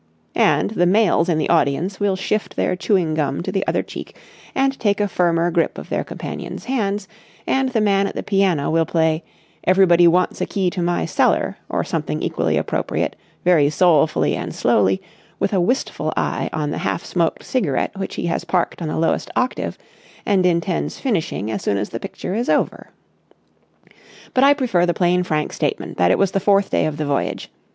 and the males in the audience will shift their chewing gum to the other cheek and take a firmer grip of their companion's hands and the man at the piano will play "Everybody wants a key to my cellar," or something equally appropriate, very soulfully and slowly, with a wistful eye on the half smoked cigarette which he has parked on the lowest octave and intends finishing as soon as the picture is over. But I prefer the plain frank statement that it was the fourth day of the voyage.